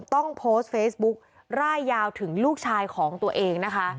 ต้องโพสต์เฟซบุ๊กร่ายยาวถึงลูกชายของตัวเองนะคะ